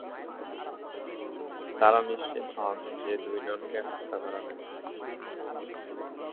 তারা নিশ্চিত হন যে সেই দুজনকে হত্যা করা হয়েছে।